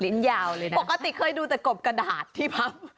ยาวเลยนะปกติเคยดูแต่กบกระดาษที่พับ